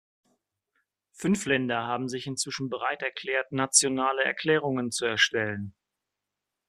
Fünf Länder haben sich inzwischen bereit erklärt, nationale Erklärungen zu erstellen.